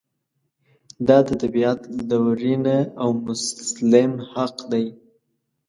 دا د طبعیت لورېینه او مسلم حق دی.